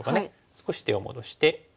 少し手を戻して。